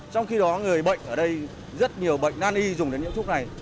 trong khi đó người bệnh ở đây rất nhiều bệnh nan y dùng đến những thuốc này